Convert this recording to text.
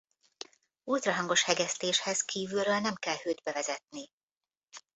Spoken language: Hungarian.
Ultrahangos hegesztéshez kívülről nem kell hőt bevezetni.